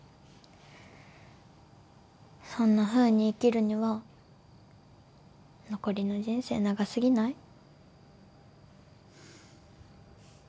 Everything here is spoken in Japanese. そんなふうに生きるには残りの人生長すぎない？